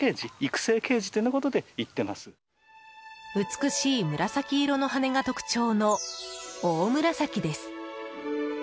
美しい紫色の羽が特徴のオオムラサキです。